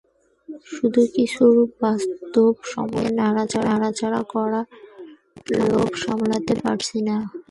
শুধু কিছু বাস্তব সমস্যা নিয়ে নাড়াচাড়া করার লোভ সামলাতে পারছি না।